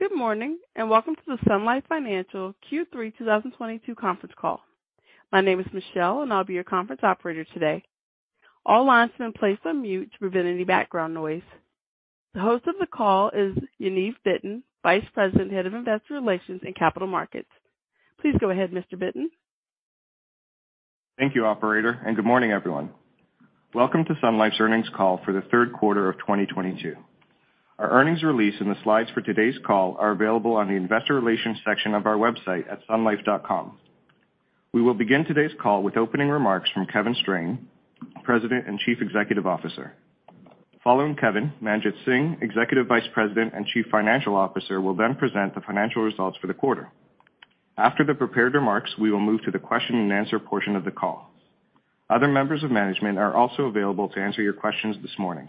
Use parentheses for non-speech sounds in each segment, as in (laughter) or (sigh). Good morning, and welcome to the Sun Life Financial Q3 2022 conference call. My name is Michelle, and I'll be your conference operator today. All lines have been placed on mute to prevent any background noise. The host of the call is Yaniv Bitton, Vice President, Head of Investor Relations and Capital Markets. Please go ahead, Mr. Bitton. Thank you, Operator, and good morning, everyone. Welcome to Sun Life's earnings call for the third quarter of 2022. Our earnings release and the slides for today's call are available on the investor relations section of our website at sunlife.com. We will begin today's call with opening remarks from Kevin Strain, President and Chief Executive Officer. Following Kevin, Manjit Singh, Executive Vice-President and Chief Financial Officer, will then present the financial results for the quarter. After the prepared remarks, we will move to the question and answer portion of the call. Other members of management are also available to answer your questions this morning.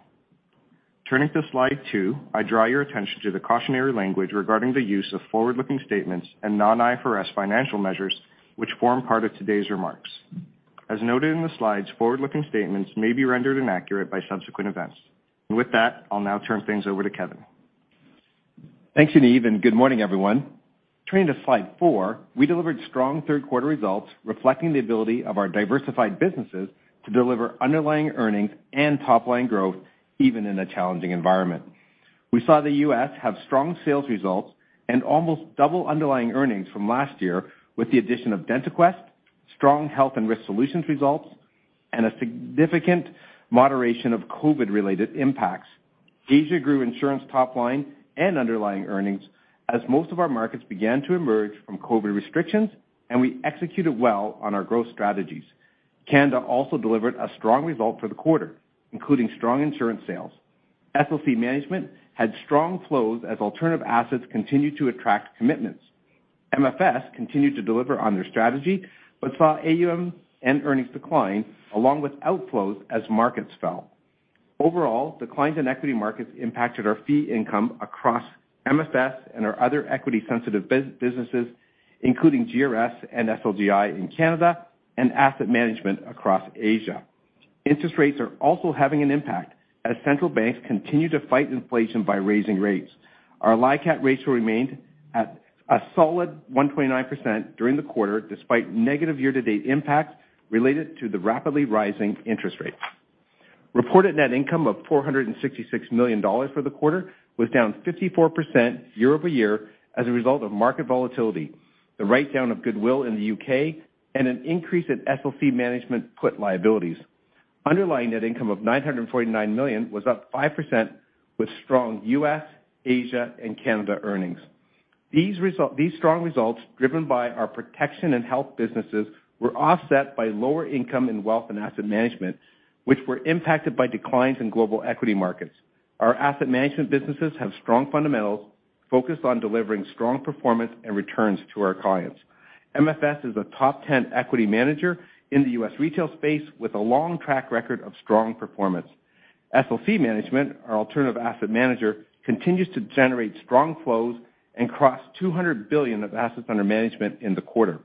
Turning to slide two, I draw your attention to the cautionary language regarding the use of forward-looking statements and non-IFRS financial measures which form part of today's remarks. As noted in the slides, forward-looking statements may be rendered inaccurate by subsequent events. With that, I'll now turn things over to Kevin. Thanks, Yaniv, and good morning, everyone. Turning to slide four, we delivered strong third quarter results reflecting the ability of our diversified businesses to deliver underlying earnings and top-line growth even in a challenging environment. We saw the U.S. have strong sales results and almost double underlying earnings from last year with the addition of DentaQuest, strong health and risk solutions results, and a significant moderation of COVID-related impacts. Asia grew insurance top line and underlying earnings as most of our markets began to emerge from COVID restrictions, and we executed well on our growth strategies. Canada also delivered a strong result for the quarter, including strong insurance sales. SLC Management had strong flows as alternative assets continued to attract commitments. MFS continued to deliver on their strategy, but saw AUM and earnings decline along with outflows as markets fell. Overall, declines in equity markets impacted our fee income across MFS and our other equity sensitive businesses, including GRS and SLGI in Canada and asset management across Asia. Interest rates are also having an impact as central banks continue to fight inflation by raising rates. Our LICAT ratio remained at a solid 1.9% during the quarter, despite negative year-to-date impacts related to the rapidly rising interest rates. Reported net income of 466 million dollars for the quarter was down 54% year-over-year as a result of market volatility, the write-down of goodwill in the U.K., and an increase in SLC Management put liabilities. Underlying net income of 949 million was up 5% with strong U.S., Asia, and Canada earnings. These strong results, driven by our protection and health businesses, were offset by lower income and wealth in asset management, which were impacted by declines in global equity markets. Our asset management businesses have strong fundamentals focused on delivering strong performance and returns to our clients. MFS is a top 10 equity manager in the U.S. retail space with a long track record of strong performance. SLC Management, our alternative asset manager, continues to generate strong flows and crossed 200 billion of assets under management in the quarter.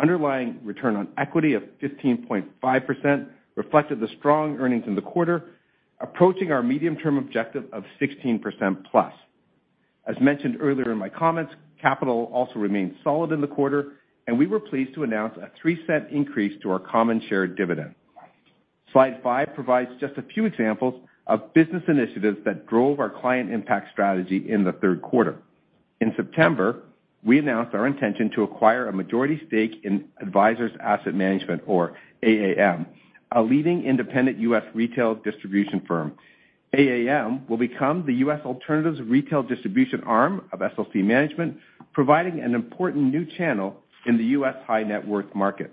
Underlying return on equity of 15.5% reflected the strong earnings in the quarter, approaching our medium-term objective of 16%+. As mentioned earlier in my comments, capital also remained solid in the quarter, and we were pleased to announce a 0.03 increase to our common share dividend. Slide five provides just a few examples of business initiatives that drove our client impact strategy in the third quarter. In September, we announced our intention to acquire a majority stake in Advisors Asset Management, or AAM, a leading independent U.S. retail distribution firm. AAM will become the U.S. alternatives retail distribution arm of SLC Management, providing an important new channel in the U.S. high net worth market.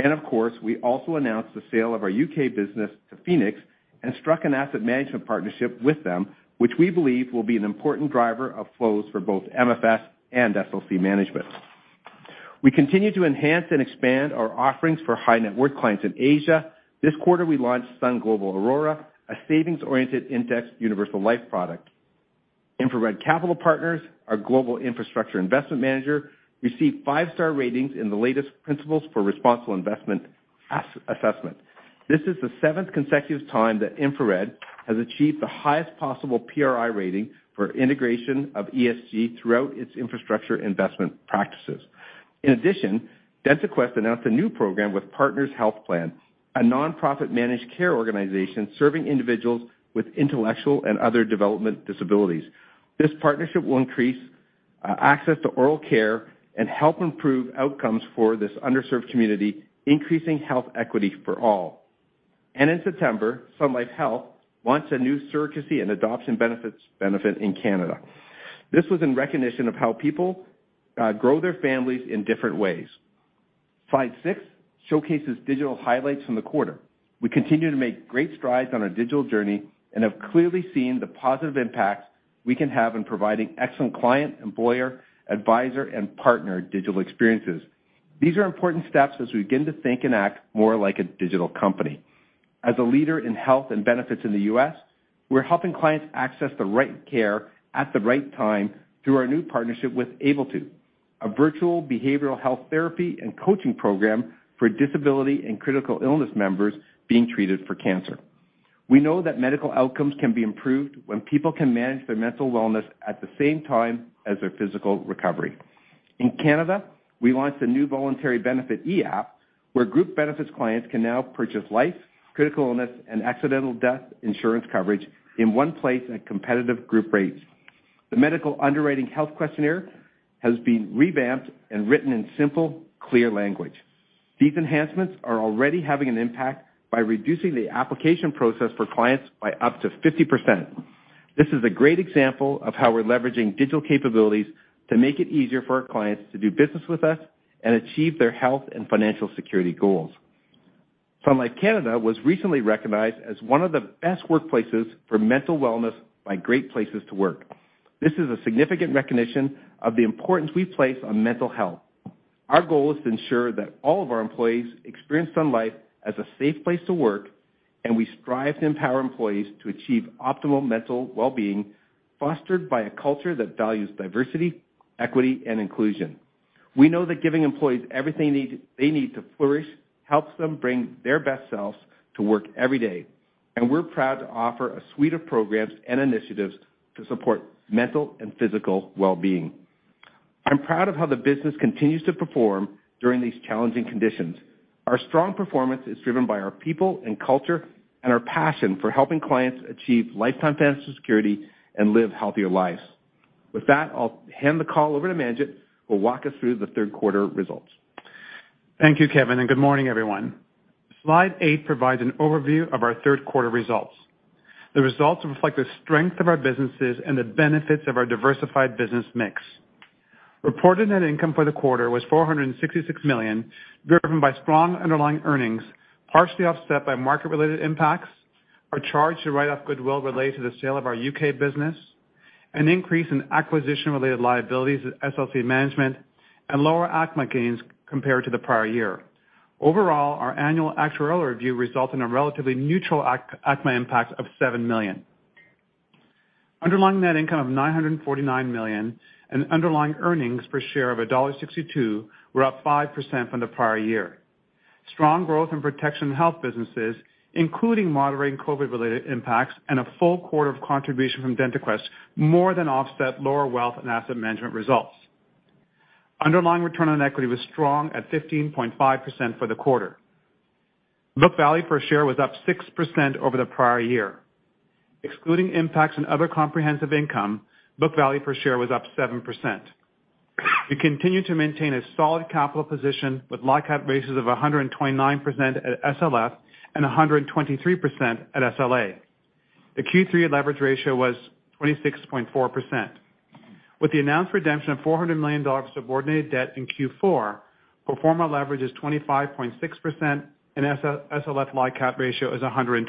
Of course, we also announced the sale of our U.K. business to Phoenix Group and struck an asset management partnership with them, which we believe will be an important driver of flows for both MFS and SLC Management. We continue to enhance and expand our offerings for high net worth clients in Asia. This quarter, we launched Sun Global Aurora, a savings-oriented indexed universal life product. InfraRed Capital Partners, our global infrastructure investment manager, received five-star ratings in the latest Principles for Responsible Investment assessment. This is the seventh consecutive time that InfraRed has achieved the highest possible PRI rating for integration of ESG throughout its infrastructure investment practices. In addition, DentaQuest announced a new program with Partners Health Plan, a nonprofit managed care organization serving individuals with intellectual and other development disabilities. This partnership will increase access to oral care and help improve outcomes for this underserved community, increasing health equity for all. In September, Sun Life Health launched a new surrogacy and adoption benefit in Canada. This was in recognition of how people grow their families in different ways. Slide six showcases digital highlights from the quarter. We continue to make great strides on our digital journey and have clearly seen the positive impact we can have in providing excellent client, employer, advisor, and partner digital experiences. These are important steps as we begin to think and act more like a digital company. As a leader in health and benefits in the U.S., we're helping clients access the right care at the right time through our new partnership with AbleTo. A virtual behavioral health therapy and coaching program for disability and critical illness members being treated for cancer. We know that medical outcomes can be improved when people can manage their mental wellness at the same time as their physical recovery. In Canada, we launched a new voluntary benefit e-app where group benefits clients can now purchase life, critical illness, and accidental death insurance coverage in one place at competitive group rates. The medical underwriting health questionnaire has been revamped and written in simple, clear language. These enhancements are already having an impact by reducing the application process for clients by up to 50%. This is a great example of how we're leveraging digital capabilities to make it easier for our clients to do business with us and achieve their health and financial security goals. Sun Life Canada was recently recognized as one of the best workplaces for mental wellness by Great Place to Work. This is a significant recognition of the importance we place on mental health. Our goal is to ensure that all of our employees experience Sun Life as a safe place to work, and we strive to empower employees to achieve optimal mental wellbeing, fostered by a culture that values diversity, equity, and inclusion. We know that giving employees everything they need, they need to flourish helps them bring their best selves to work every day, and we're proud to offer a suite of programs and initiatives to support mental and physical wellbeing. I'm proud of how the business continues to perform during these challenging conditions. Our strong performance is driven by our people and culture, and our passion for helping clients achieve lifetime financial security and live healthier lives. With that, I'll hand the call over to Manjit, who'll walk us through the third quarter results. Thank you, Kevin, and good morning, everyone. Slide eight provides an overview of our third quarter results. The results reflect the strength of our businesses and the benefits of our diversified business mix. Reported net income for the quarter was 466 million, driven by strong underlying earnings, partially offset by market-related impacts, a charge to write off goodwill related to the sale of our U.K. business, an increase in acquisition-related liabilities at SLC Management, and lower ACMA gains compared to the prior year. Overall, our annual actuarial review resulted in a relatively neutral ACMA impact of 7 million. Underlying net income of 949 million and underlying earnings per share of dollar 1.62 were up 5% from the prior year. Strong growth in protection health businesses, including moderating COVID-related impacts and a full quarter of contribution from DentaQuest, more than offset lower wealth and asset management results. Underlying return on equity was strong at 15.5% for the quarter. Book value per share was up 6% over the prior year. Excluding impacts on other comprehensive income, book value per share was up 7%. We continue to maintain a solid capital position with LICAT ratios of 129% at SLF and 123% at SLA. The Q3 leverage ratio was 26.4%. With the announced redemption of 400 million dollars of subordinated debt in Q4, pro forma leverage is 25.6%, and SLF LICAT ratio is 127%.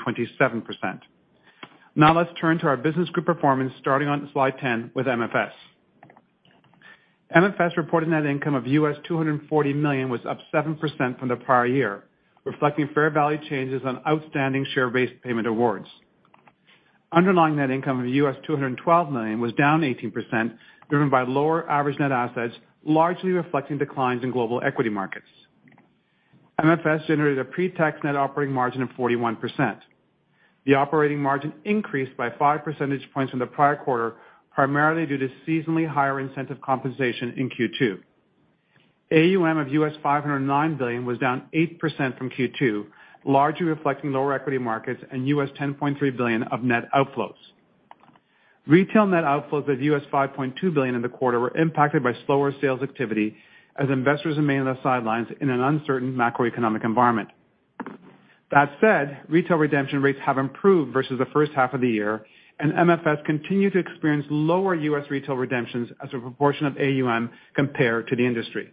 Now let's turn to our business group performance starting on slide 10 with MFS. MFS reported net income of $240 million, was up 7% from the prior year, reflecting fair value changes on outstanding share-based payment awards. Underlying net income of $212 million was down 18%, driven by lower average net assets, largely reflecting declines in global equity markets. MFS generated a pre-tax net operating margin of 41%. The operating margin increased by five percentage points from the prior quarter, primarily due to seasonally higher incentive compensation in Q2. AUM of $509 billion was down 8% from Q2, largely reflecting lower equity markets and $10.3 billion of net outflows. Retail net outflows of $5.2 billion in the quarter were impacted by slower sales activity as investors remained on the sidelines in an uncertain macroeconomic environment. That said, retail redemption rates have improved versus the first half of the year, and MFS continued to experience lower U.S. retail redemptions as a proportion of AUM compared to the industry.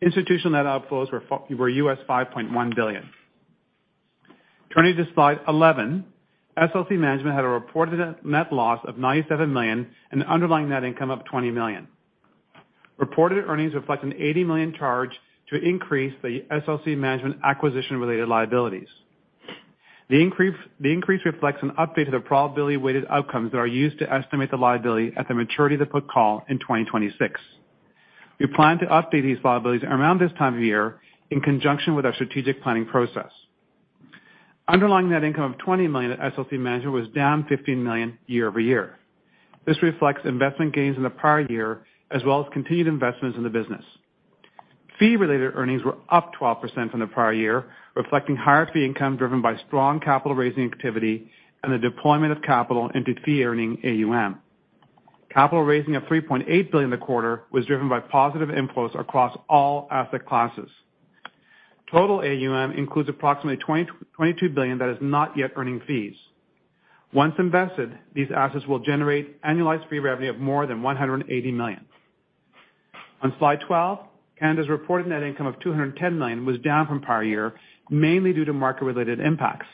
Institutional net outflows were $5.1 billion. Turning to slide 11, SLC Management had a reported net loss of 97 million and an underlying net income of 20 million. Reported earnings reflect an 80 million charge to increase the SLC Management acquisition-related liabilities. The increase reflects an update to the probability weighted outcomes that are used to estimate the liability at the maturity of the put call in 2026. We plan to update these liabilities around this time of year in conjunction with our strategic planning process. Underlying net income of 20 million at SLC Management was down 15 million year-over-year. This reflects investment gains in the prior year as well as continued investments in the business. Fee-related earnings were up 12% from the prior year, reflecting higher fee income driven by strong capital raising activity and the deployment of capital into fee earning AUM. Capital raising of 3.8 billion in the quarter was driven by positive inflows across all asset classes. Total AUM includes approximately 22 billion that is not yet earning fees. Once invested, these assets will generate annualized fee revenue of more than 180 million. On slide 12, Canada's reported net income of 210 million was down from prior year, mainly due to market-related impacts.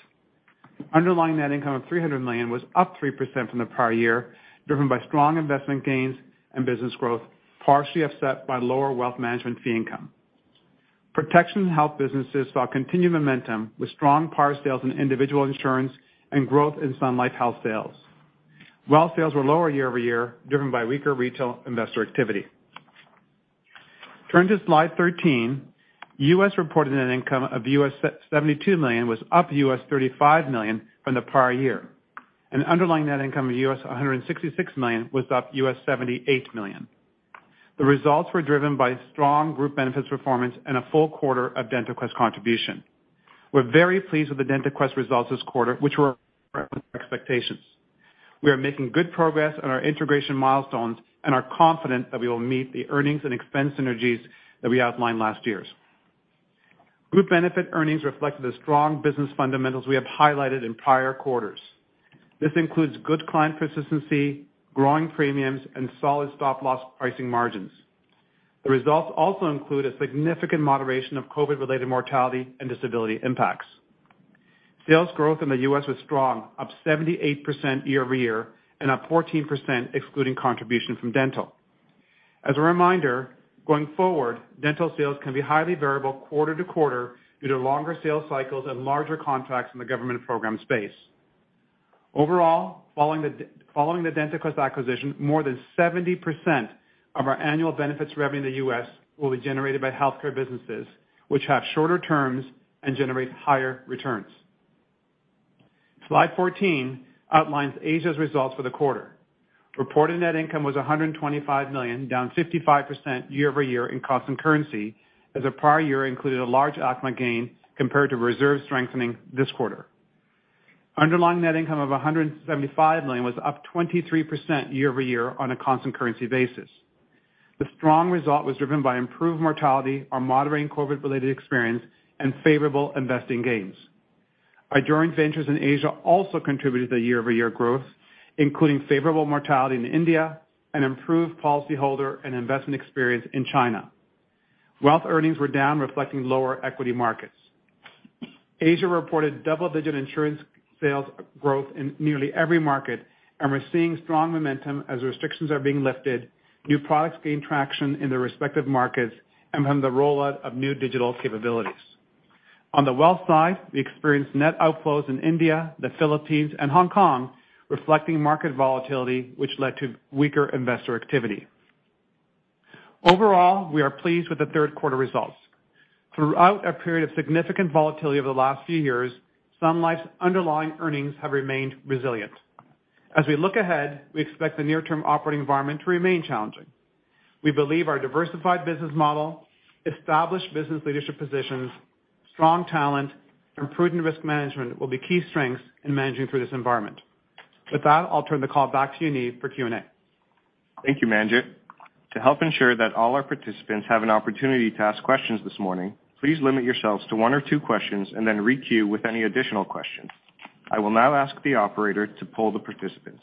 Underlying net income of 300 million was up 3% from the prior year, driven by strong investment gains and business growth, partially offset by lower wealth management fee income. Protection health businesses saw continued momentum with strong par sales and individual insurance and growth in Sun Life Health sales. Wealth sales were lower year-over-year, driven by weaker retail investor activity. Turning to slide 13, U.S. reported a net income of $72 million, was up $35 million from the prior year, and underlying net income of $166 million was up $78 million. The results were driven by strong group benefits performance and a full quarter of DentaQuest contribution. We're very pleased with the DentaQuest results this quarter. We are making good progress on our integration milestones and are confident that we will meet the earnings and expense synergies that we outlined last year. Group benefit earnings reflected the strong business fundamentals we have highlighted in prior quarters. This includes good client persistency, growing premiums, and solid stop-loss pricing margins. The results also include a significant moderation of COVID-related mortality and disability impacts. Sales growth in the U.S. was strong, up 78% year-over-year and up 14% excluding contribution from dental. As a reminder, going forward, dental sales can be highly variable quarter-to-quarter due to longer sales cycles and larger contracts in the government program space. Overall, following the DentaQuest acquisition, more than 70% of our annual benefits revenue in the U.S. will be generated by healthcare businesses, which have shorter terms and generate higher returns. Slide 14 outlines Asia's results for the quarter. Reported net income was 125 million, down 55% year-over-year in constant currency, as the prior year included a large ACMA gain compared to reserve strengthening this quarter. Underlying net income of 175 million was up 23% year-over-year on a constant currency basis. The strong result was driven by improved mortality, our moderating COVID-related experience, and favorable investing gains. Our joint ventures in Asia also contributed to the year-over-year growth, including favorable mortality in India and improved policy holder and investment experience in China. Wealth earnings were down, reflecting lower equity markets. Asia reported double-digit insurance sales growth in nearly every market, and we're seeing strong momentum as restrictions are being lifted, new products gain traction in their respective markets, and from the rollout of new digital capabilities. On the wealth side, we experienced net outflows in India, the Philippines, and Hong Kong, reflecting market volatility, which led to weaker investor activity. Overall, we are pleased with the third quarter results. Throughout a period of significant volatility over the last few years, Sun Life's underlying earnings have remained resilient. As we look ahead, we expect the near-term operating environment to remain challenging. We believe our diversified business model, established business leadership positions, strong talent, and prudent risk management will be key strengths in managing through this environment. With that, I'll turn the call back to Yaniv for Q&A. Thank you, Manjit. To help ensure that all our participants have an opportunity to ask questions this morning, please limit yourselves to one or two questions and then re-queue with any additional questions. I will now ask the operator to poll the participants.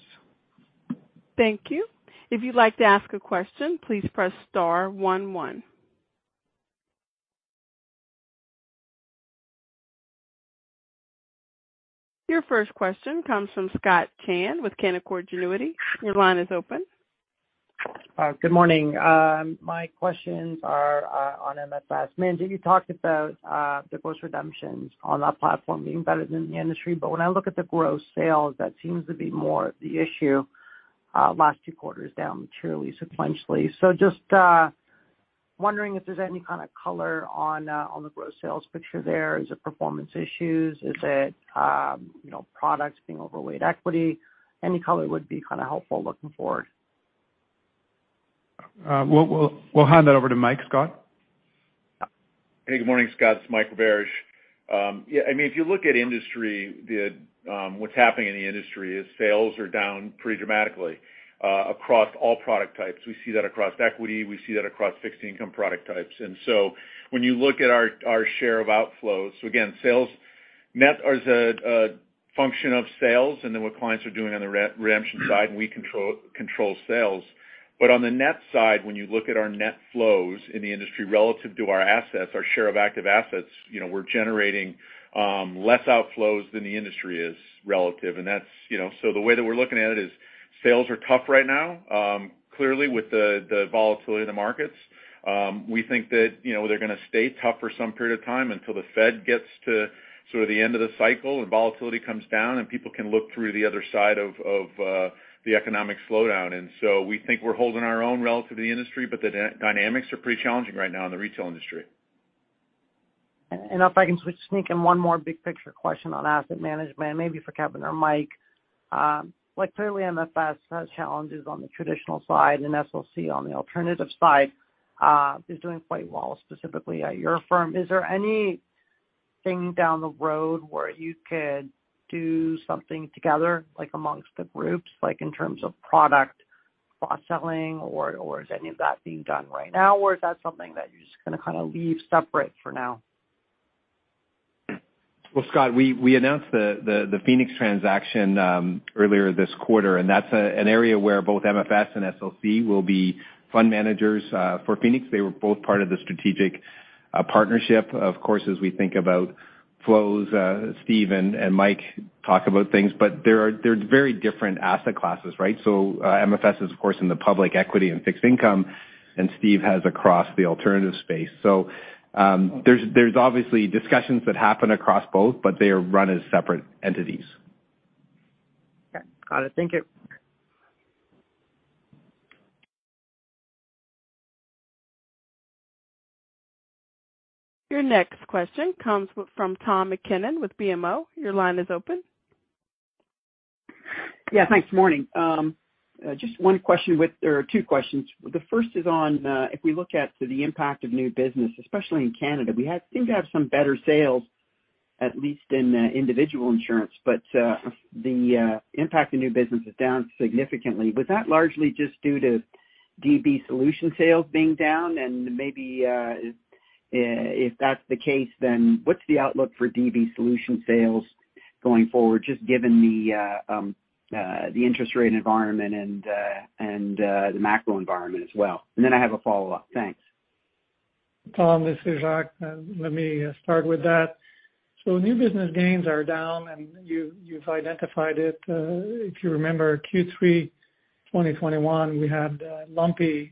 Thank you. If you'd like to ask a question, please press star one one. Your first question comes from Scott Chan with Canaccord Genuity. Your line is open. Good morning. My questions are on MFS. Manjit, you talked about the net redemptions on that platform being better than the industry. When I look at the gross sales, that seems to be more the issue last two quarters down materially sequentially. Just wondering if there's any kind of color on the gross sales picture there. Is it performance issues? Is it, you know, products being overweight equity? Any color would be kind of helpful looking forward. We'll hand that over to Mike, Scott. Hey, good morning, Scott. It's Mike Roberge. Yeah, I mean, if you look at the industry, what's happening in the industry is sales are down pretty dramatically across all product types. We see that across equity. We see that across fixed income product types. When you look at our share of outflows, so again, sales net are the function of sales and then what clients are doing on the redemption side, and we control sales. On the net side, when you look at our net flows in the industry relative to our assets, our share of active assets, you know, we're generating less outflows than the industry is relative. That's, you know, so the way that we're looking at it is sales are tough right now, clearly with the volatility of the markets. We think that, you know, they're gonna stay tough for some period of time until the Fed gets to sort of the end of the cycle and volatility comes down and people can look through the other side of the economic slowdown. We think we're holding our own relative to the industry, but the dynamics are pretty challenging right now in the retail industry. If I can switch and sneak in one more big picture question on asset management, maybe for Kevin or Mike. Like clearly MFS has challenges on the traditional side and SLC on the alternative side is doing quite well, specifically at your firm. Is there anything down the road where you could do something together, like among the groups, like in terms of product cross-selling or is any of that being done right now? Is that something that you're just gonna kinda leave separate for now? Well, Scott, we announced the Phoenix transaction earlier this quarter, and that's an area where both MFS and SLC will be fund managers for Phoenix. They were both part of the strategic partnership. Of course, as we think about flows, Steve and Mike talk about things, but they're very different asset classes, right? There's obviously discussions that happen across both, but they are run as separate entities. Okay. Got it. Thank you. Your next question comes from Tom MacKinnon with BMO. Your line is open. Yeah. Thanks. Morning. Just one question or two questions. The first is on if we look at the impact of new business, especially in Canada. We seem to have some better sales, at least in individual insurance. But the impact of new business is down significantly. Was that largely just due to DB Solution sales being down? And maybe if that's the case, then what's the outlook for DB Solution sales going forward, just given the interest rate environment and the macro environment as well? And then I have a follow-up. Thanks. Tom, this is Jacques. Let me start with that. New business gains are down, and you've identified it. If you remember Q3 2021, we had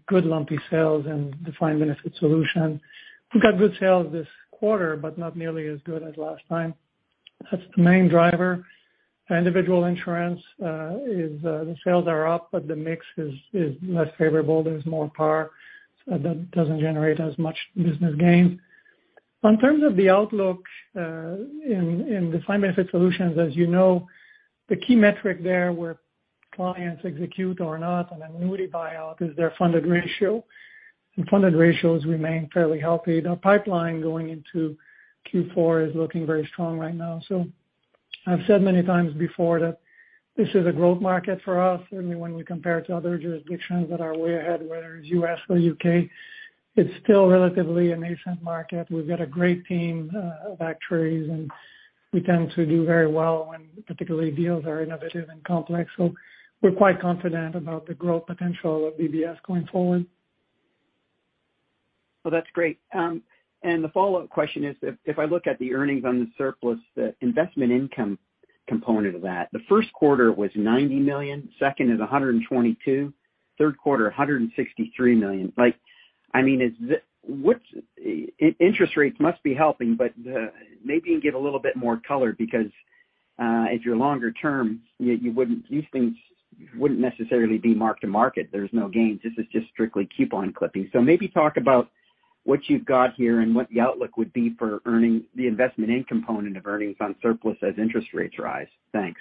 good lumpy sales in defined benefit solution. We've got good sales this quarter, but not nearly as good as last time. That's the main driver. Individual insurance is the sales are up, but the mix is less favorable. There's more par. That doesn't generate as much business gain. In terms of the outlook, in defined benefit solutions, as you know, the key metric there where clients execute or not an annuity buyout is their funded ratio, and funded ratios remain fairly healthy. The pipeline going into Q4 is looking very strong right now. I've said many times before that this is a growth market for us. I mean, when we compare to other jurisdictions that are way ahead, whether it's U.S. or U.K., it's still relatively a nascent market. We've got a great team of actuaries, and we tend to do very well when particularly deals are innovative and complex. We're quite confident about the growth potential of DBS going forward. Well, that's great. The follow-up question is if I look at the earnings on the surplus, the investment income component of that, the first quarter was 90 million, second is 122 million, third quarter, 163 million. Like, I mean, interest rates must be helping, but maybe you can give a little bit more color because as you're longer term, these things wouldn't necessarily be mark to market. There's no gains. This is just strictly coupon clipping. Maybe talk about what you've got here and what the outlook would be for earnings, the investment income component of earnings on surplus as interest rates rise. Thanks.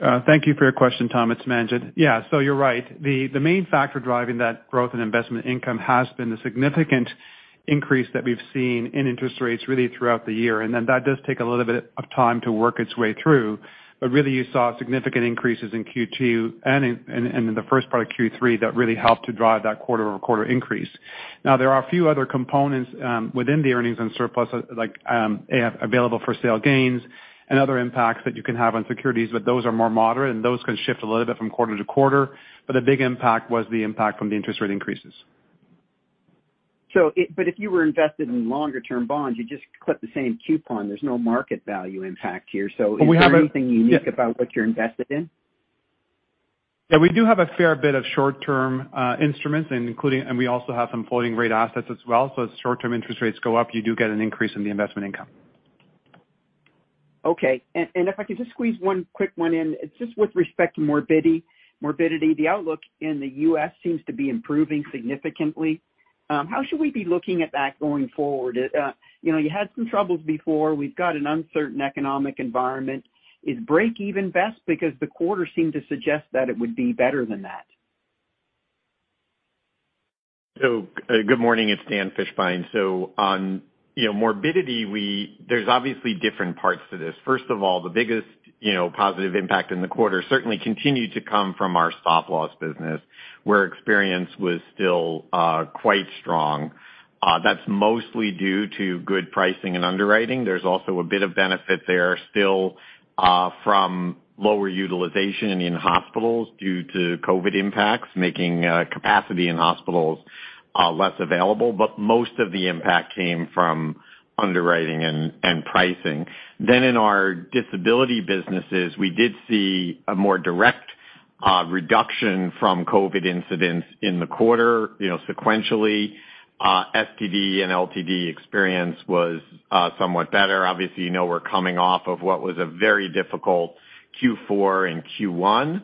Thank you for your question, Tom. It's Manjit. Yeah. So you're right. The main factor driving that growth and investment income has been the significant increase that we've seen in interest rates really throughout the year. That does take a little bit of time to work its way through. You saw significant increases in Q2 and in the first part of Q3 that really helped to drive that quarter-over-quarter increase. There are a few other components within the earnings and surplus like available for sale gains and other impacts that you can have on securities, but those are more moderate, and those can shift a little bit from quarter to quarter. The big impact was the impact from the interest rate increases. If you were invested in longer term bonds, you just clip the same coupon. There's no market value impact here. Is there anything unique about what you're invested in? Yeah, we do have a fair bit of short-term instruments including, and we also have some floating rate assets as well. As short-term interest rates go up, you do get an increase in the investment income. If I could just squeeze one quick one in, just with respect to morbidity, the outlook in the U.S. seems to be improving significantly. How should we be looking at that going forward? You know, you had some troubles before. We've got an uncertain economic environment. Is break even best? Because the quarter seemed to suggest that it would be better than that. Good morning. It's Dan Fishbein. On morbidity, there's obviously different parts to this. First of all, the biggest positive impact in the quarter certainly continued to come from our stop-loss business, where experience was still quite strong. That's mostly due to good pricing and underwriting. There's also a bit of benefit there still from lower utilization in hospitals due to COVID impacts, making capacity in hospitals less available. But most of the impact came from underwriting and pricing. Then in our disability businesses, we did see a more direct reduction from COVID incidents in the quarter. Sequentially, STD and LTD experience was somewhat better. Obviously, we're coming off of what was a very difficult Q4 and Q1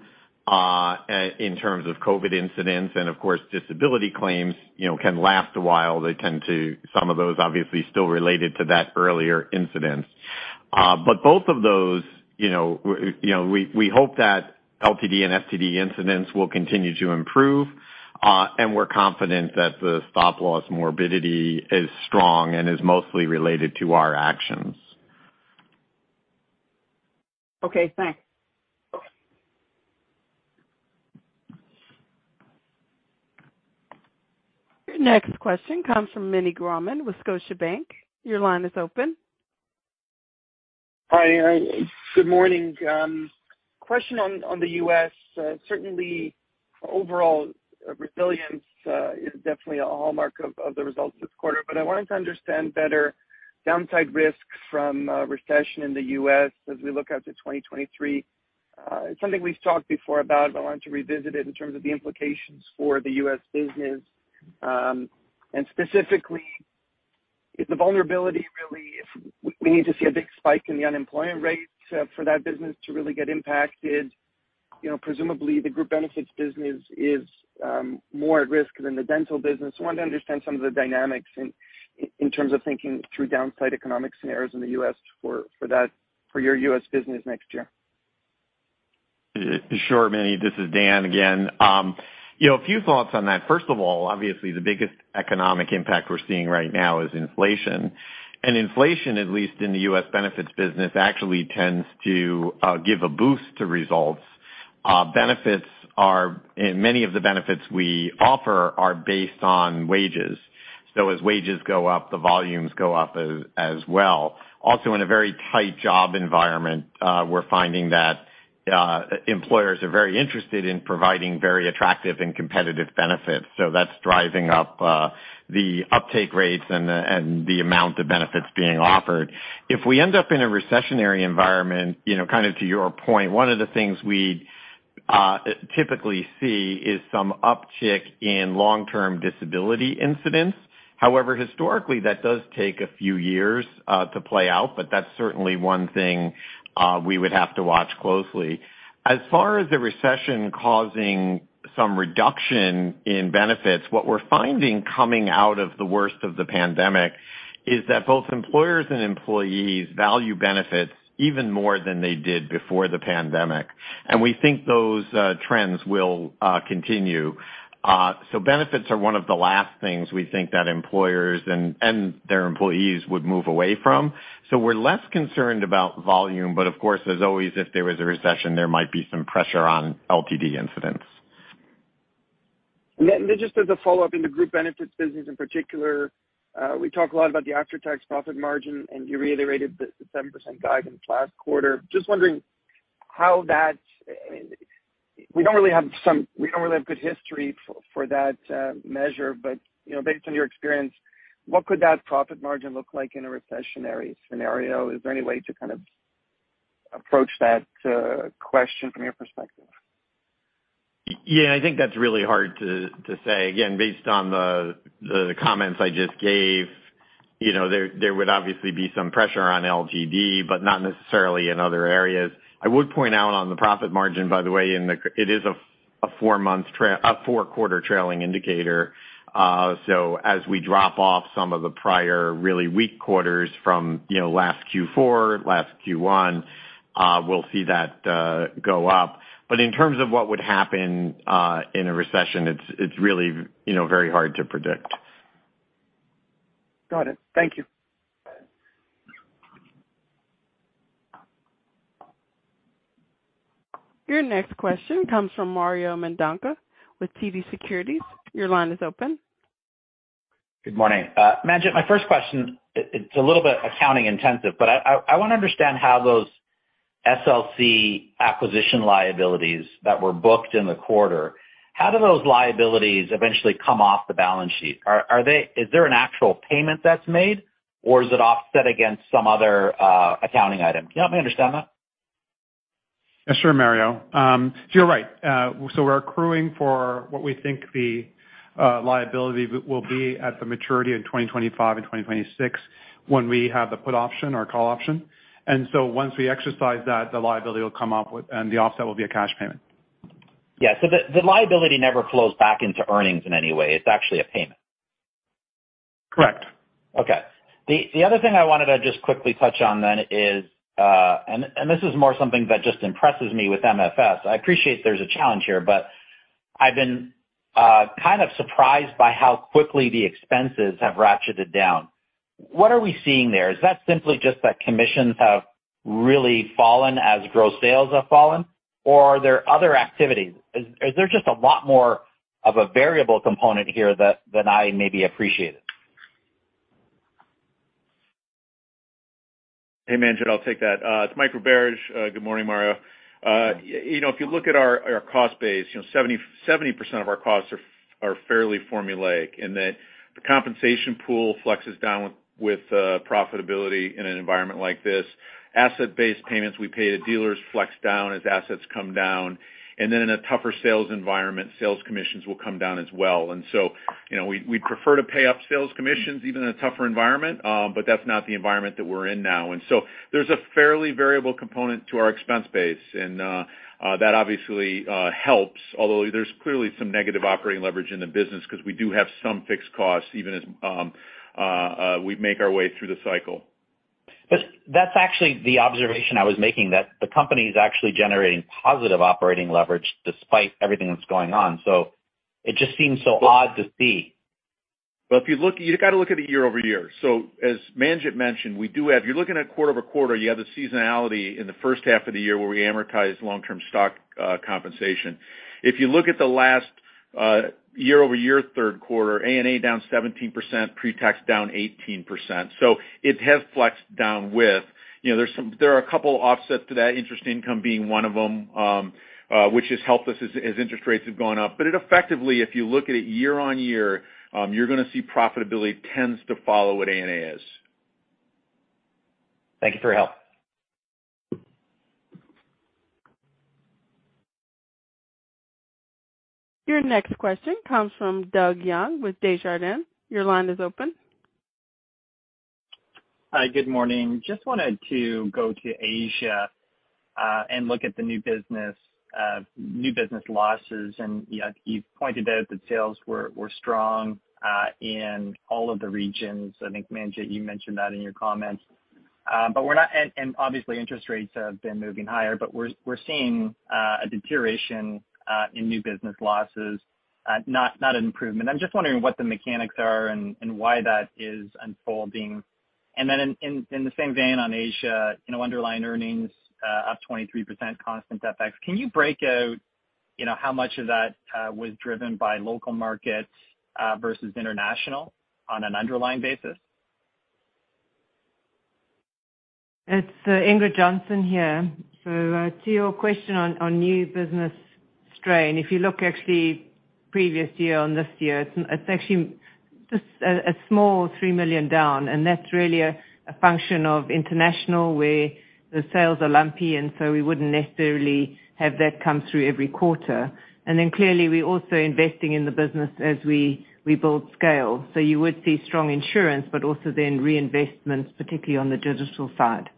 in terms of COVID incidents. Of course, disability claims, you know, can last a while. They tend to some of those obviously still related to that earlier incident. Both of those, you know, you know, we hope that LTD and STD incidents will continue to improve, and we're confident that the stop-loss morbidity is strong and is mostly related to our actions. Okay, thanks. Your next question comes from Meny Grauman with Scotiabank. Your line is open. Hi. Good morning. Question on the U.S. Certainly overall resilience is definitely a hallmark of the results this quarter. I wanted to understand better downside risks from recession in the U.S. as we look out to 2023. It's something we've talked before about. I wanted to revisit it in terms of the implications for the U.S. business, and specifically. Is the vulnerability really if we need to see a big spike in the unemployment rate for that business to really get impacted? You know, presumably the group benefits business is more at risk than the dental business. Wanted to understand some of the dynamics in terms of thinking through downside economic scenarios in the U.S. for your U.S. business next year. Sure, Meny. This is Dan again. You know, a few thoughts on that. First of all, obviously the biggest economic impact we're seeing right now is inflation. Inflation, at least in the U.S. benefits business, actually tends to give a boost to results. Many of the benefits we offer are based on wages. As wages go up, the volumes go up as well. Also, in a very tight job environment, we're finding that employers are very interested in providing very attractive and competitive benefits. That's driving up the uptake rates and the amount of benefits being offered. If we end up in a recessionary environment, you know, kind of to your point, one of the things we typically see is some uptick in long-term disability incidents. However, historically, that does take a few years to play out, but that's certainly one thing we would have to watch closely. As far as the recession causing some reduction in benefits, what we're finding coming out of the worst of the pandemic is that both employers and employees value benefits even more than they did before the pandemic, and we think those trends will continue. Benefits are one of the last things we think that employers and their employees would move away from. We're less concerned about volume, but of course, as always, if there was a recession, there might be some pressure on LTD incidents. Just as a follow-up into group benefits business in particular, we talk a lot about the after-tax profit margin, and you reiterated the 7% guide in last quarter. Just wondering how that. We don't really have good history for that measure. You know, based on your experience, what could that profit margin look like in a recessionary scenario? Is there any way to kind of approach that question from your perspective? Yeah, I think that's really hard to say. Again, based on the comments I just gave, you know, there would obviously be some pressure on LTD, but not necessarily in other areas. I would point out on the profit margin, by the way, it is a four-quarter trailing indicator. So as we drop off some of the prior really weak quarters from you know last Q4, last Q1, we'll see that go up. In terms of what would happen in a recession, it's really you know very hard to predict. Got it. Thank you. Your next question comes from Mario Mendonca with TD Securities. Your line is open. Good morning. Manjit, my first question, it's a little bit accounting intensive, but I wanna understand how those SLC acquisition liabilities that were booked in the quarter, how do those liabilities eventually come off the balance sheet? Is there an actual payment that's made, or is it offset against some other accounting item? Can you help me understand that? Sure, Mario. You're right. We're accruing for what we think the liability will be at the maturity in 2025 and 2026 when we have the put option or call option. Once we exercise that, the liability will come up with and the offset will be a cash payment. Yeah. The liability never flows back into earnings in any way. It's actually a payment. Correct. Okay. The other thing I wanted to just quickly touch on then is, and this is more something that just impresses me with MFS. I appreciate there's a challenge here, but I've been kind of surprised by how quickly the expenses have ratcheted down. What are we seeing there? Is that simply just that commissions have really fallen as gross sales have fallen, or are there other activities? Is there just a lot more of a variable component here than I maybe appreciated? Hey, Manjit, I'll take that. It's Mike Roberge. Good morning, Mario. You know, if you look at our cost base, you know, 70% of our costs are fairly formulaic in that the compensation pool flexes down with profitability in an environment like this. Asset-based payments we pay to dealers flex down as assets come down. In a tougher sales environment, sales commissions will come down as well. You know, we'd prefer to pay up sales commissions even in a tougher environment, but that's not the environment that we're in now. There's a fairly variable component to our expense base, and that obviously helps, although there's clearly some negative operating leverage in the business 'cause we do have some fixed costs even as we make our way through the cycle. That's actually the observation I was making, that the company is actually generating positive operating leverage despite everything that's going on. It just seems so odd to see. Well, if you look, you gotta look at it year-over-year. As Manjit mentioned, we do have. If you're looking at quarter-over-quarter, you have the seasonality in the first half of the year where we amortize long-term stock compensation. If you look at the last year-over-year third quarter, ANA down 17%, pre-tax down 18%. It has flexed down with. You know, there are a couple offsets to that, interest income being one of them, which has helped us as interest rates have gone up. It effectively, if you look at it year-over-year, you're gonna see profitability tends to follow what ANA is. Thank you for your help. Your next question comes from Doug Young with Desjardins. Your line is open. Hi, good morning. Just wanted to go to Asia and look at the new business losses. You know, you've pointed out that sales were strong in all of the regions. I think, Manjit, you mentioned that in your comments. Obviously interest rates have been moving higher, but we're seeing a deterioration in new business losses, not an improvement. I'm just wondering what the mechanics are and why that is unfolding. Then in the same vein on Asia, you know, underlying earnings up 23% constant FX. Can you break out, you know, how much of that was driven by local markets versus international on an underlying basis? It's Ingrid Johnson here. To your question on new business strain, if you look actually previous year to this year, it's actually just a small 3 million down, and that's really a function of international where the sales are lumpy and so we wouldn't necessarily have that come through every quarter. Clearly we're also investing in the business as we build scale. You would see strong insurance but also then reinvestments, particularly on the digital side.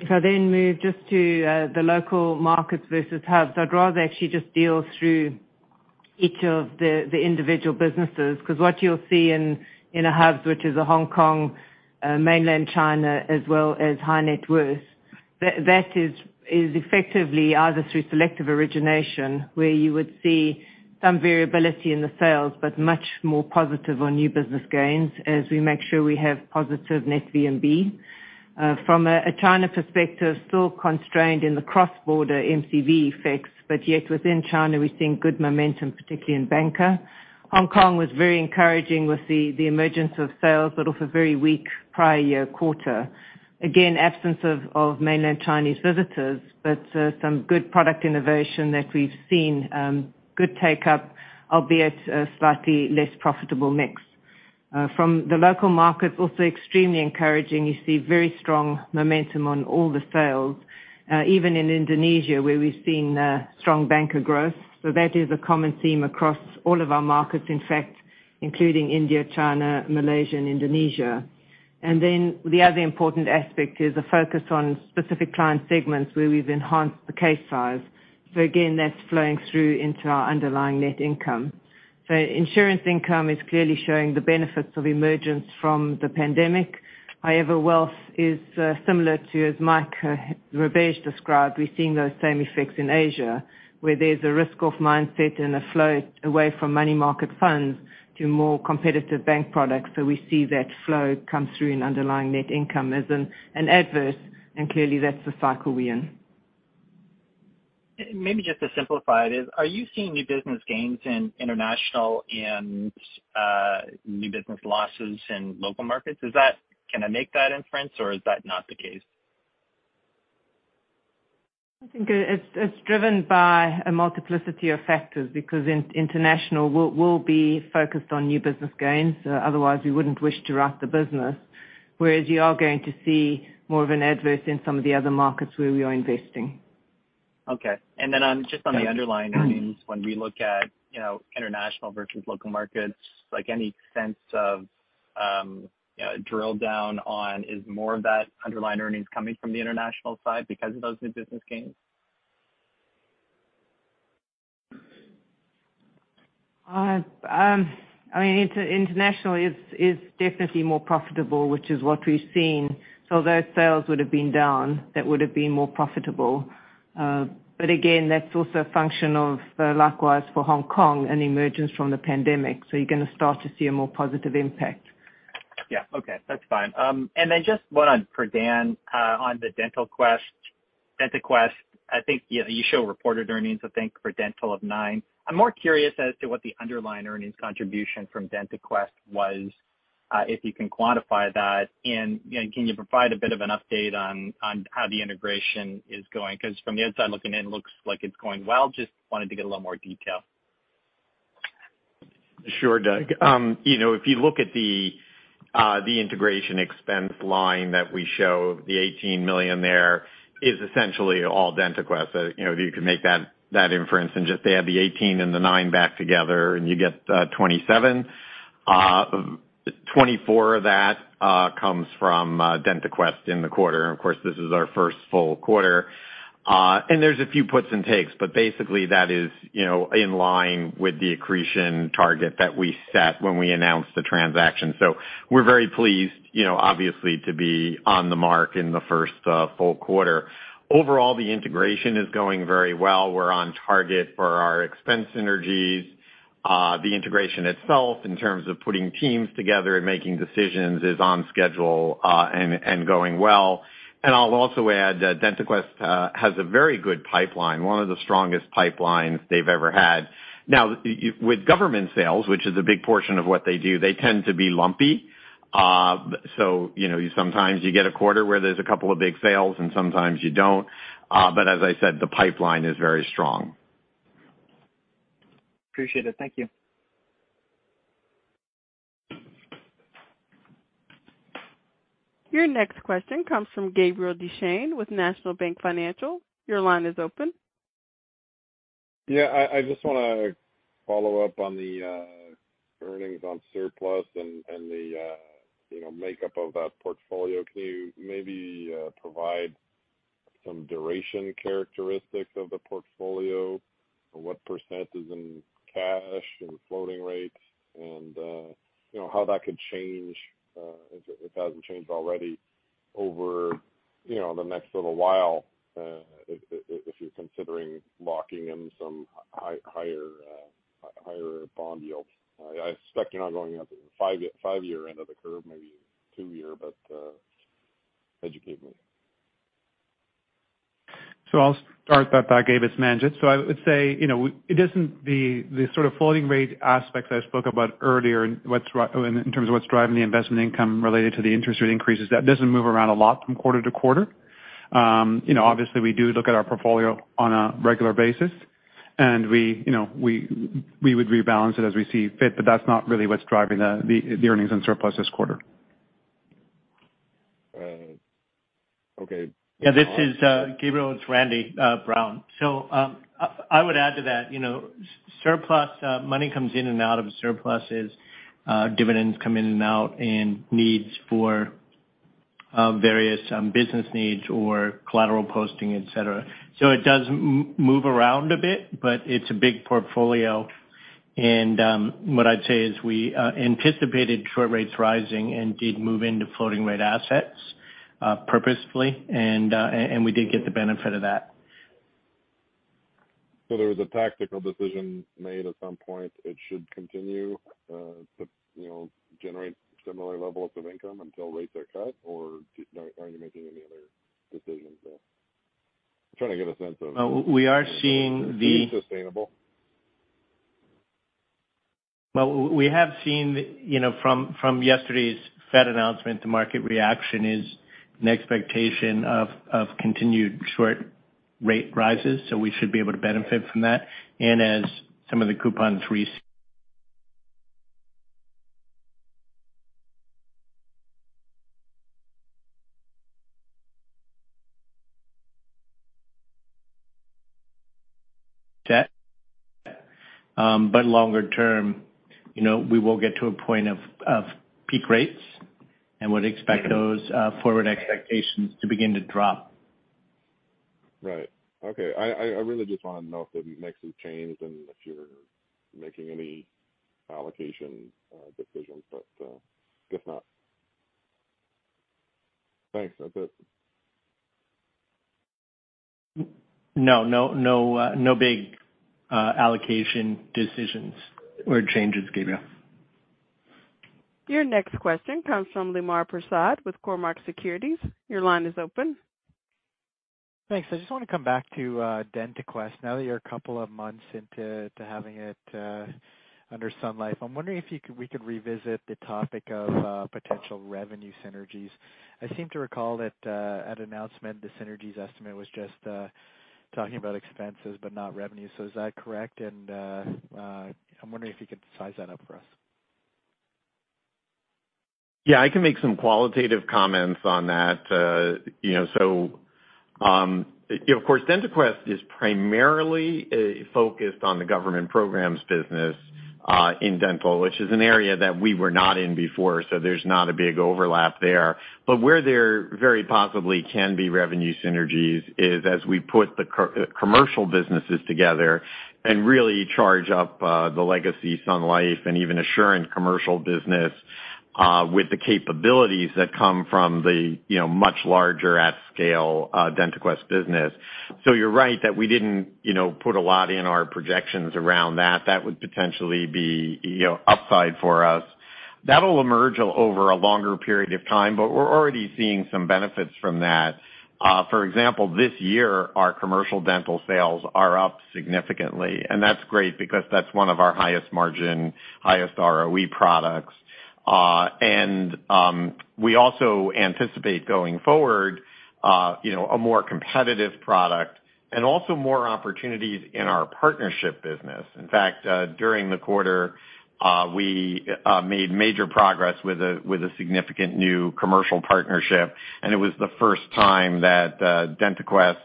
If I then move just to the local markets versus hubs, I'd rather actually just deal with each of the individual businesses. Because what you'll see in a hub, which is Hong Kong, Mainland China, as well as high net worth, that is effectively either through selective origination, where you would see some variability in the sales but much more positive on new business gains as we make sure we have positive net VNB. From a China perspective, still constrained in the cross-border MCV effects, but yet within China we're seeing good momentum, particularly in bancassurance. Hong Kong was very encouraging with the emergence of sales but off a very weak prior year quarter. Again, absence of Mainland Chinese visitors, but some good product innovation that we've seen, good take-up, albeit a slightly less profitable mix. From the local market, also extremely encouraging. You see very strong momentum on all the sales, even in Indonesia where we've seen strong banker growth. That is a common theme across all of our markets, in fact, including India, China, Malaysia and Indonesia. Then the other important aspect is a focus on specific client segments where we've enhanced the case size. Again, that's flowing through into our underlying net income. Insurance income is clearly showing the benefits of emergence from the pandemic. However, wealth is, similar to, as Mike Roberge described, we're seeing those same effects in Asia, where there's a risk-off mindset and a flow away from money market funds to more competitive bank products. We see that flow come through in underlying net income as an adverse, and clearly that's the cycle we're in. Maybe just to simplify it, are you seeing new business gains in international and new business losses in local markets? Is that? Can I make that inference or is that not the case? I think it's driven by a multiplicity of factors because international will be focused on new business gains. Otherwise we wouldn't wish to grow the business. Whereas you are going to see more of an adverse in some of the other markets where we are investing. Okay. On, just on the underlying earnings, when we look at, you know, international versus local markets, like any sense of, you know, drill down on is more of that underlying earnings coming from the international side because of those new business gains? I mean, international is definitely more profitable, which is what we've seen. Those sales would have been down, that would have been more profitable. Again, that's also a function of, likewise for Hong Kong, an emergence from the pandemic. You're gonna start to see a more positive impact. Yeah. Okay. That's fine. Just one on for Dan on the DentaQuest. I think, you know, you show reported earnings, I think, for DentaQuest of 9 million. I'm more curious as to what the underlying earnings contribution from DentaQuest was, if you can quantify that. You know, can you provide a bit of an update on how the integration is going? 'Cause from the outside looking in, looks like it's going well. Just wanted to get a little more detail. Sure, Doug. You know, if you look at the the integration expense line that we show, the 18 million there is essentially all DentaQuest. You know, you can make that inference and just add the 18 million and the 9 million back together and you get 27 million. 24 million of that comes from DentaQuest in the quarter. Of course, this is our first full quarter. And there's a few puts and takes, but basically that is, you know, in line with the accretion target that we set when we announced the transaction. We're very pleased, you know, obviously to be on the mark in the first full quarter. Overall, the integration is going very well. We're on target for our expense synergies. The integration itself, in terms of putting teams together and making decisions, is on schedule, and going well. I'll also add that DentaQuest has a very good pipeline, one of the strongest pipelines they've ever had. Now, with government sales, which is a big portion of what they do, they tend to be lumpy. So, you know, sometimes you get a quarter where there's a couple of big sales and sometimes you don't. As I said, the pipeline is very strong. Appreciate it. Thank you. Your next question comes from Gabriel Dechaine with National Bank Financial. Your line is open. Yeah, I just wanna follow up on the earnings on surplus and the makeup of that portfolio. Can you maybe provide some duration characteristics of the portfolio? What percent is in cash and floating rates, and how that could change if it hasn't changed already over the next little while if you're considering locking in some higher bond yields. I expect you're not going up in five-year end of the curve, maybe two-year, but educate me. I'll start that, Gabriel. It's Manjit. I would say, you know, it isn't the sort of floating rate aspects I spoke about earlier in terms of what's driving the investment income related to the interest rate increases, that doesn't move around a lot from quarter to quarter. You know, obviously, we do look at our portfolio on a regular basis, and we would rebalance it as we see fit, but that's not really what's driving the earnings and surplus this quarter. Okay. Yeah, this is Gabriel. It's Randy Brown. I would add to that. You know, surplus money comes in and out of surpluses, dividends come in and out, and needs for various business needs or collateral posting, et cetera. It does move around a bit, but it's a big portfolio. What I'd say is we anticipated short rates rising and did move into floating rate assets purposefully and we did get the benefit of that. There was a tactical decision made at some point. It should continue to, you know, generate similar levels of income until rates are cut, or are you making any other decisions there? I'm trying to get a sense of. We are seeing the- To be sustainable. Well, we have seen, you know, from yesterday's Fed announcement, the market reaction is an expectation of continued short rate rises, so we should be able to benefit from that. Longer term, you know, we will get to a point of peak rates and would expect those forward expectations to begin to drop. Right. Okay. I really just wanna know if there'd be any changes and if you're making any allocation decisions, but if not. Thanks. That's it. No big allocation decisions or changes, Gabriel. Your next question comes from Lemar Persaud with Cormark Securities. Your line is open. Thanks. I just wanna come back to DentaQuest. Now that you're a couple of months into having it under Sun Life, I'm wondering if we could revisit the topic of potential revenue synergies. I seem to recall that at announcement, the synergies estimate was just talking about expenses but not revenue. Is that correct? I'm wondering if you could size that up for us. Yeah. I can make some qualitative comments on that. You know, so, of course, DentaQuest is primarily focused on the government programs business in dental, which is an area that we were not in before, so there's not a big overlap there. But where there very possibly can be revenue synergies is as we put the commercial businesses together and really charge up the legacy Sun Life and even Assurant commercial business with the capabilities that come from the, you know, much larger at scale DentaQuest business. You're right that we didn't, you know, put a lot in our projections around that. That would potentially be, you know, upside for us. That'll emerge over a longer period of time, but we're already seeing some benefits from that. For example, this year, our commercial dental sales are up significantly, and that's great because that's one of our highest margin, highest ROE products. We also anticipate going forward, you know, a more competitive product and also more opportunities in our partnership business. In fact, during the quarter, we made major progress with a significant new commercial partnership, and it was the first time that DentaQuest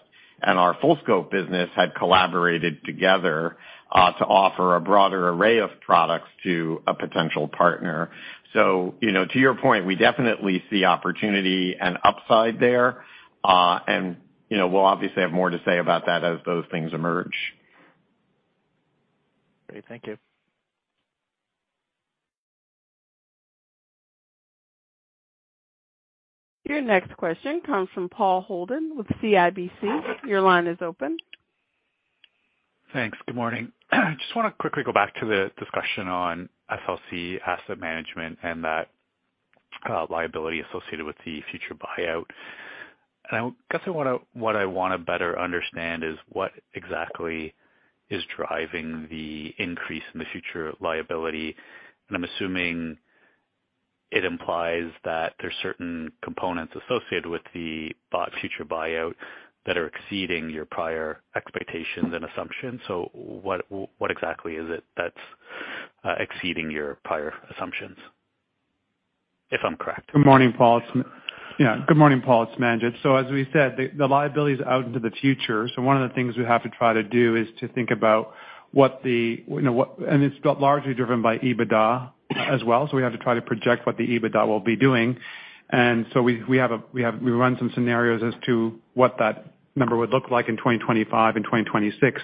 and our full scope business had collaborated together to offer a broader array of products to a potential partner. You know, to your point, we definitely see opportunity and upside there, and, you know, we'll obviously have more to say about that as those things emerge. Great. Thank you. Your next question comes from Paul Holden with CIBC. Your line is open. Thanks. Good morning. Just wanna quickly go back to the discussion on SLC asset management and that liability associated with the future buyout. I guess what I wanna better understand is what exactly is driving the increase in the future liability. I'm assuming it implies that there's certain components associated with the future buyout that are exceeding your prior expectations and assumptions. What exactly is it that's exceeding your prior assumptions, if I'm correct. Good morning, Paul. It's Manjit. As we said, the liability is out into the future. One of the things we have to try to do is to think about what the. You know, what it's largely driven by EBITDA as well. We have to try to project what the EBITDA will be doing. We run some scenarios as to what that number would look like in 2025 and 2026.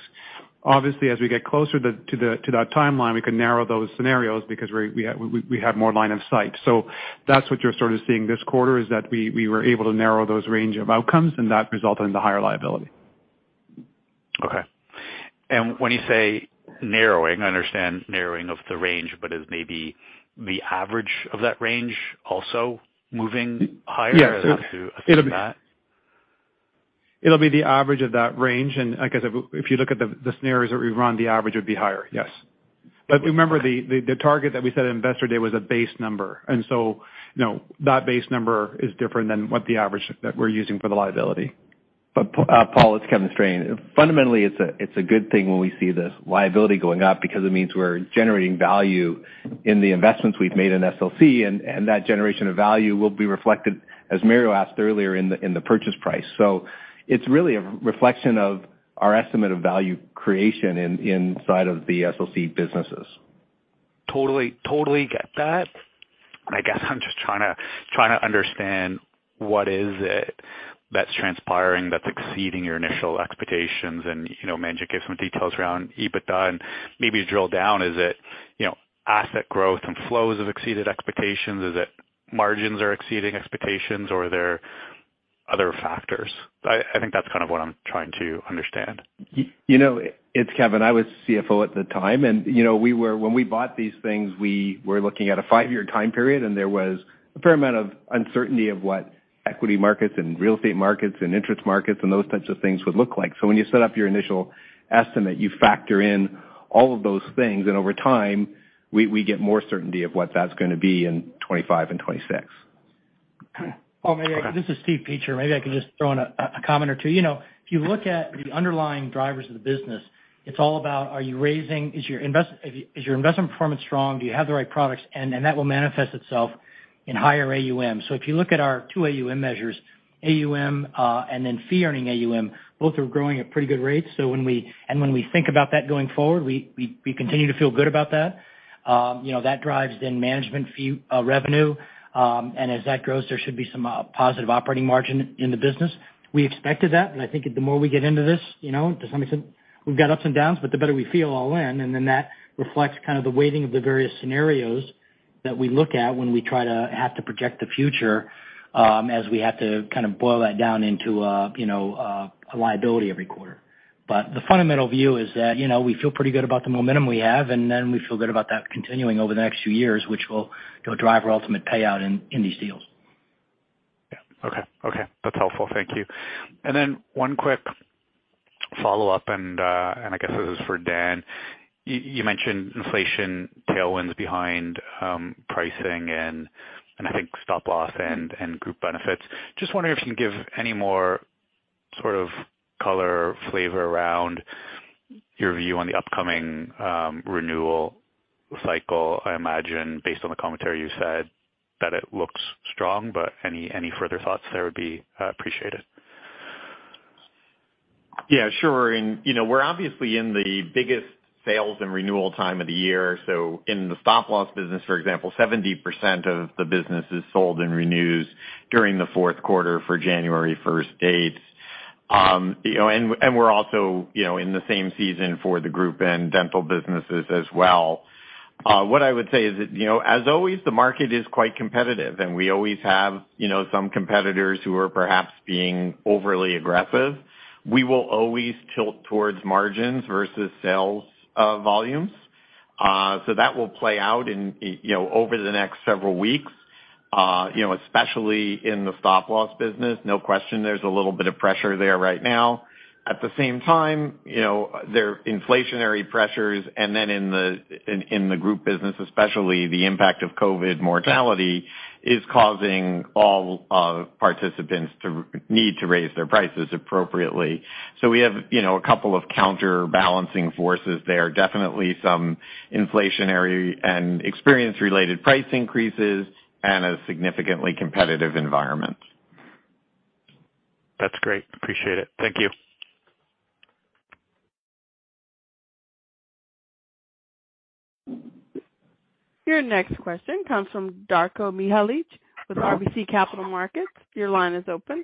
Obviously, as we get closer to that timeline, we can narrow those scenarios because we have more line of sight. That's what you're sort of seeing this quarter, is that we were able to narrow those range of outcomes and that resulted in the higher liability. Okay. When you say narrowing, I understand narrowing of the range, but is maybe the average of that range also moving higher? Yeah. I'd have to assume that. It'll be the average of that range. I guess if you look at the scenarios that we run, the average would be higher, yes. Remember, the target that we said at Investor Day was a base number. You know, that base number is different than what the average that we're using for the liability. Paul, it's Kevin Strain. Fundamentally, it's a good thing when we see this liability going up because it means we're generating value in the investments we've made in SLC, and that generation of value will be reflected, as Mario asked earlier, in the purchase price. It's really a reflection of our estimate of value creation inside of the SLC businesses. Totally get that. I guess I'm just trying to understand what is it that's transpiring that's exceeding your initial expectations. You know, Manjit gave some details around EBITDA, and maybe drill down, is it, you know, asset growth and flows have exceeded expectations? Is it margins are exceeding expectations or are there other factors? I think that's kind of what I'm trying to understand. You know, it's Kevin. I was CFO at the time, and you know, when we bought these things, we were looking at a five-year time period, and there was a fair amount of uncertainty of what equity markets and real estate markets and interest markets and those types of things would look like. So when you set up your initial estimate, you factor in all of those things, and over time, we get more certainty of what that's gonna be in 2025 and 2026. Okay. Paul, maybe this is Steve Peacher. Maybe I can just throw in a comment or two. You know, if you look at the underlying drivers of the business, it's all about is your investment performance strong? Do you have the right products? And that will manifest itself in higher AUM. If you look at our two AUM measures, AUM and then fee-earning AUM, both are growing at pretty good rates. When we think about that going forward, we continue to feel good about that. You know, that drives then management fee revenue and as that grows, there should be some positive operating margin in the business. We expected that, and I think the more we get into this, you know, to some extent, we've got ups and downs, but the better we feel all in, and then that reflects kind of the weighting of the various scenarios that we look at when we try to have to project the future, as we have to kind of boil that down into a, you know, a liability every quarter. The fundamental view is that, you know, we feel pretty good about the momentum we have, and then we feel good about that continuing over the next few years, which will, you know, drive our ultimate payout in these deals. Yeah. Okay. Okay. That's helpful. Thank you. Then one quick follow-up, and I guess this is for Dan. You mentioned inflation tailwinds behind pricing and I think stop loss and group benefits. Just wondering if you can give any more sort of color, flavor around your view on the upcoming renewal cycle. I imagine based on the commentary you said that it looks strong, but any further thoughts there would be appreciated. Yeah, sure. You know, we're obviously in the biggest sales and renewal time of the year. In the stop loss business, for example, 70% of the business is sold and renewed during the fourth quarter for January 1st dates. You know, we're also, you know, in the same season for the group and dental businesses as well. What I would say is that, you know, as always, the market is quite competitive and we always have, you know, some competitors who are perhaps being overly aggressive. We will always tilt towards margins versus sales, volumes. That will play out in, you know, over the next several weeks, you know, especially in the stop loss business. No question, there's a little bit of pressure there right now. At the same time, you know, there are inflationary pressures, and then in the group business especially, the impact of COVID mortality is causing all participants to need to raise their prices appropriately. We have, you know, a couple of counterbalancing forces there. Definitely some inflationary and experience-related price increases and a significantly competitive environment. That's great. Appreciate it. Thank you. Your next question comes from Darko Mihelic with RBC Capital Markets. Your line is open.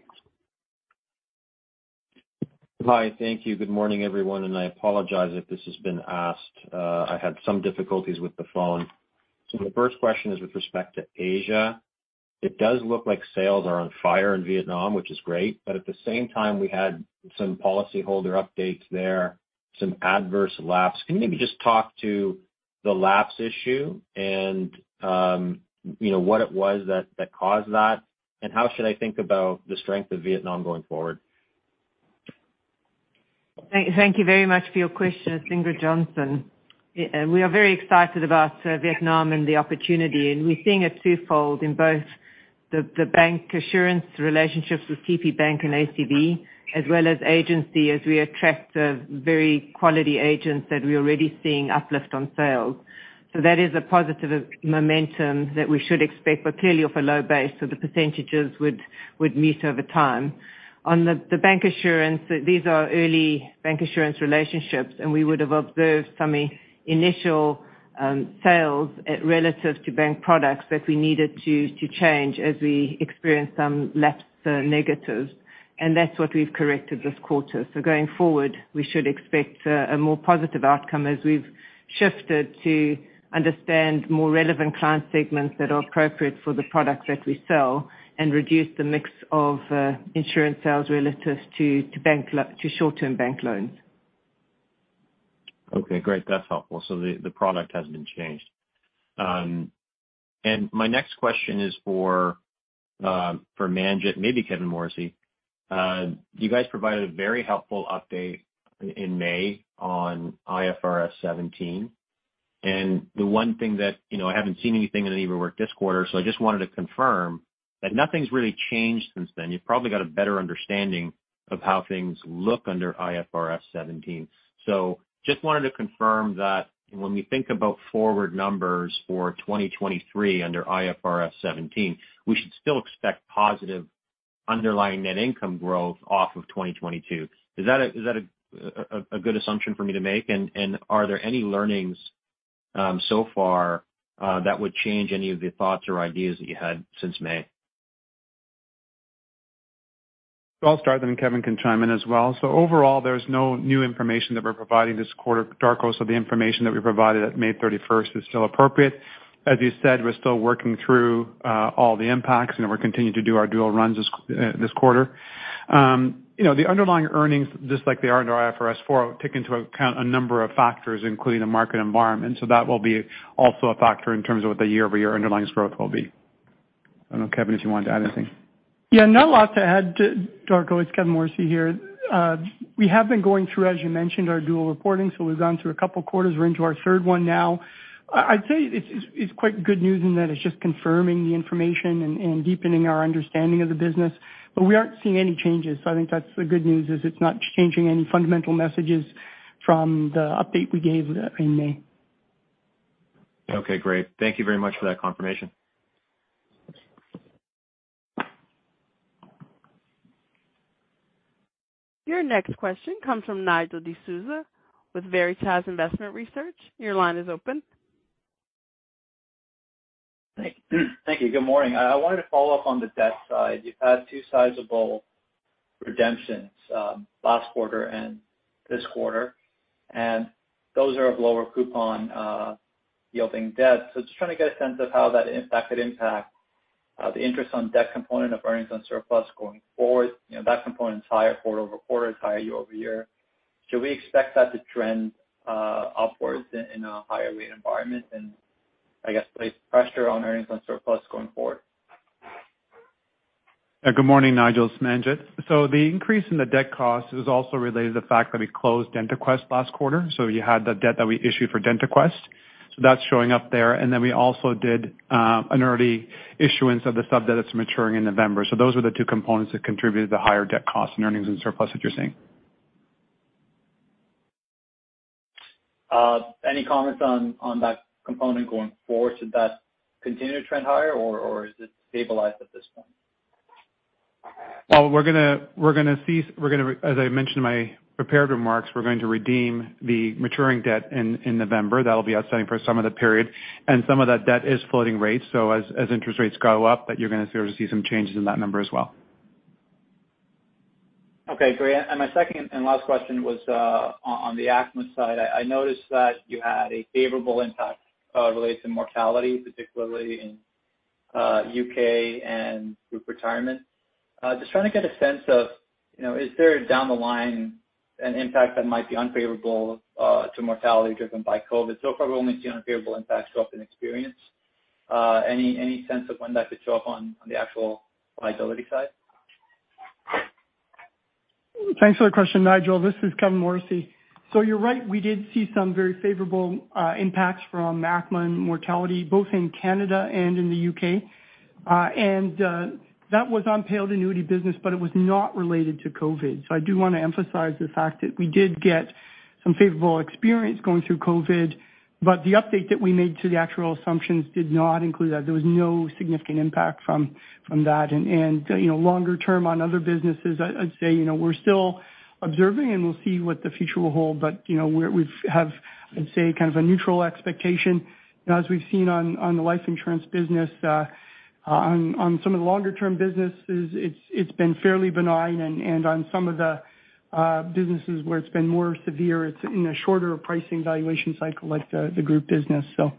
Hi. Thank you. Good morning, everyone, and I apologize if this has been asked. I had some difficulties with the phone. The first question is with respect to Asia. It does look like sales are on fire in Vietnam, which is great, but at the same time we had some policyholder updates there, some adverse lapse. Can you maybe just talk to the lapse issue and, you know, what it was that caused that, and how should I think about the strength of Vietnam going forward? Thank you very much for your question. It's Ingrid Johnson. We are very excited about Vietnam and the opportunity, and we're seeing it twofold in both the bancassurance relationships with TPBank and ACB, as well as agency as we attract very qualified agents that we're already seeing uplift on sales. So that is a positive momentum that we should expect, but clearly off a low base, so the percentages would moderate over time. On the bancassurance, these are early bancassurance relationships, and we would have observed some initial sales relative to bank products that we needed to change as we experienced some lapsed negatives. That's what we've corrected this quarter. Going forward, we should expect a more positive outcome as we've shifted to understand more relevant client segments that are appropriate for the products that we sell and reduce the mix of insurance sales relative to short-term bank loans. Okay, great. That's helpful. The product hasn't been changed. My next question is for Manjit, maybe Kevin Morrissey. You guys provided a very helpful update in May on IFRS 17. The one thing that, you know, I haven't seen anything in the paperwork this quarter, so I just wanted to confirm that nothing's really changed since then. You've probably got a better understanding of how things look under IFRS 17. Just wanted to confirm that when we think about forward numbers for 2023 under IFRS 17, we should still expect positive underlying net income growth off of 2022. Is that a good assumption for me to make? Are there any learnings so far that would change any of the thoughts or ideas that you had since May? I'll start, and Kevin can chime in as well. Overall, there's no new information that we're providing this quarter, Darko, so the information that we provided at May 31st is still appropriate. As you said, we're still working through all the impacts, and we're continuing to do our dual runs this quarter. You know, the underlying earnings, just like they are under IFRS 4, take into account a number of factors, including the market environment. That will be also a factor in terms of what the year-over-year underlying growth will be. I don't know, Kevin, if you want to add anything. Yeah, not a lot to add, Darko. It's Kevin Morrissey here. We have been going through, as you mentioned, our dual reporting. We've gone through a couple quarters. We're into our third one now. I'd say it's quite good news in that it's just confirming the information and deepening our understanding of the business. We aren't seeing any changes. I think that's the good news, is it's not changing any fundamental messages from the update we gave in May. Okay, great. Thank you very much for that confirmation. Your next question comes from Nigel D'Souza with Veritas Investment Research. Your line is open. Thank you. Good morning. I wanted to follow up on the debt side. You've had two sizable redemptions last quarter and this quarter. Those are of lower coupon yielding debt. Just trying to get a sense of how that could impact the interest on debt component of earnings on surplus going forward. You know, that component's higher quarter-over-quarter, it's higher year-over-year. Should we expect that to trend upwards in a higher rate environment and, I guess, place pressure on earnings on surplus going forward? Good morning, Nigel. It's Manjit. The increase in the debt cost is also related to the fact that we closed DentaQuest last quarter. You had the debt that we issued for DentaQuest. That's showing up there. Then we also did an early issuance of the sub-debt that's maturing in November. Those were the two components that contributed to the higher debt costs and earnings and surplus that you're seeing. Any comments on that component going forward? Should that continue to trend higher or is it stabilized at this point? Well, as I mentioned in my prepared remarks, we're going to redeem the maturing debt in November. That'll be outstanding for some of the period. Some of that debt is floating rates, so as interest rates go up, you're gonna sort of see some changes in that number as well. Okay, great. My second and last question was, on the ACMA side. I noticed that you had a favorable impact related to mortality, particularly in U.K. and group retirement. Just trying to get a sense of, you know, is there down the line an impact that might be unfavorable to mortality driven by COVID? So far, we're only seeing unfavorable impacts show up in experience. Any sense of when that could show up on the actual liability side? Thanks for the question, Nigel. This is Kevin Morrissey. You're right, we did see some very favorable impacts from ACMA and mortality both in Canada and in the U.K. That was on paid annuity business, but it was not related to COVID. I do wanna emphasize the fact that we did get some favorable experience going through COVID, but the update that we made to the actual assumptions did not include that. There was no significant impact from that. You know, longer term on other businesses, I'd say, you know, we're still observing, and we'll see what the future will hold. You know, I'd say, kind of a neutral expectation. You know, as we've seen on the life insurance business, on some of the longer term businesses, it's been fairly benign. On some of the businesses where it's been more severe, it's in a shorter pricing valuation cycle like the group business. Okay.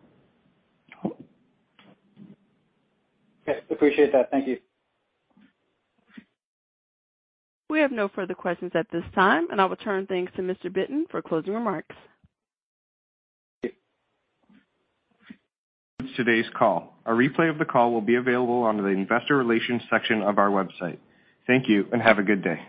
Appreciate that. Thank you. We have no further questions at this time, and I'll return things to Mr. Bitton for closing remarks. (audio distortion) today's call. A replay of the call will be available under the Investor Relations section of our website. Thank you, and have a good day.